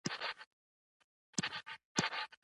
استثنایي ترکیب هغه دئ، چي له مستثنی او مستثنی منه څخه جوړ يي.